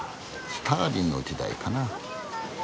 スターリンの時代かな。